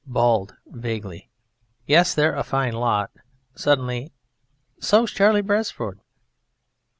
BALD (vaguely): Yes, they're a fine lot! (Suddenly) So's Charlie Beresford!